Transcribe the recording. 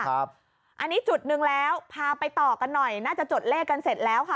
อันนี้จุดหนึ่งแล้วพาไปต่อกันหน่อยน่าจะจดเลขกันเสร็จแล้วค่ะ